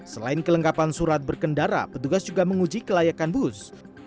selain kelengkapan surat berkendara petugas juga menguji kelayakan bus